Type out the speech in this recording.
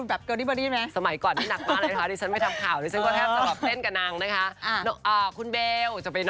อันนี้ต้องมารุ้นเรื่องหัวใจ